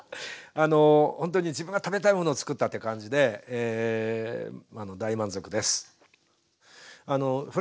あのほんとに自分が食べたいものをつくったって感じで大満足です。